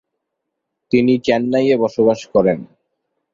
তিনি চেন্নাইয়ে বসবাস করেন।